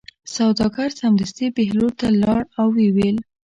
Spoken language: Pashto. سوداګر سمدستي بهلول ته لاړ او ویې ویل.